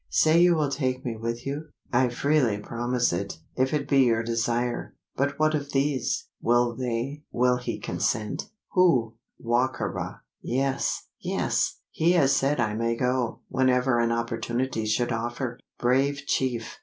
Say you will take me with you?" "I freely promise it, if it be your desire. But what of these? Will they will he consent?" "Who?" "Wa ka ra." "Yes yes! He has said I may go, whenever an opportunity should offer. Brave chief!